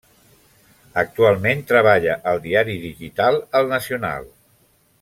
Actualment treballa al diari digital El Nacional.